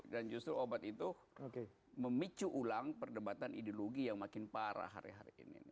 dan justru obat itu memicu ulang perdebatan ideologi yang makin parah hari hari ini